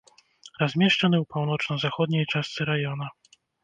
Размешчаны ў паўночна-заходняй частцы раёна.